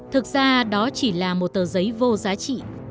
thực ra đó chỉ là một tờ giấy vô giá trị